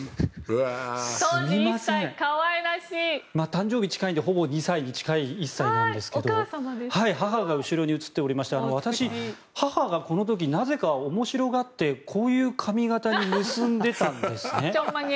誕生日が近いのでほぼ２歳に近い１歳ですけど母が後ろに写っておりまして私、母がなぜか、面白がってこういう髪形に結んでたんですね。